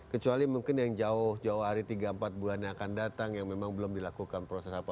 kecuali mungkin yang jauh jauh hari tiga empat bulan yang akan datang yang memang belum dilakukan proses apa